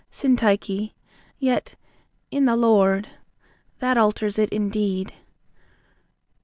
SYNTYCHE. Yet, "in the Lord." That alters it in deed.